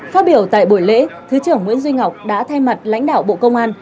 phát biểu tại buổi lễ thứ trưởng nguyễn duy ngọc đã thay mặt lãnh đạo bộ công an